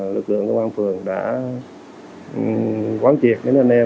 lực lượng công an phường đã quán triệt đến anh em